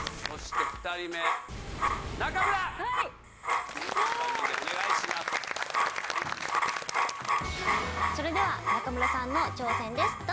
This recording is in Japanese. それでは中村さんの挑戦です。